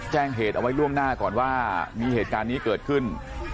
แจ้งเหตุเอาไว้ล่วงหน้าก่อนว่ามีเหตุการณ์นี้เกิดขึ้น